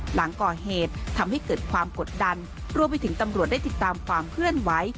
หลังก่อเหตุทำให้เกิดความกดดันรวมไปถึงตำรวจได้ติดตามความเคลื่อนไหว